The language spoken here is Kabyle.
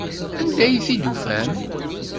Anda ay t-id-tufam?